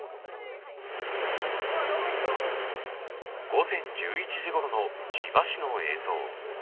午前１１時ごろの千葉市の映像。